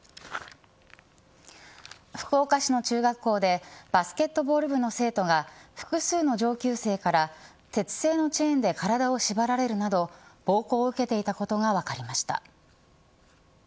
福岡市の中学校でバスケットボールの生徒が複数の上級生から鉄製のチェーンで体を縛られるなど暴行を受けていたことが分かりました。